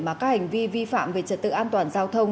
mà các hành vi vi phạm về trật tự an toàn giao thông